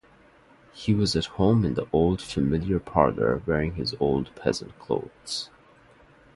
He was at home in the old familiar parlor wearing his old peasant clothes.